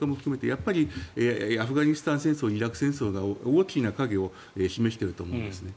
やっぱりアフガニスタン戦争イラク戦争が大きな影を示していると思うんですね。